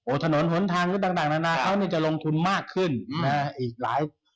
โอ้ถนนหลนทางก็จะลงทุนมากขึ้นนะครับ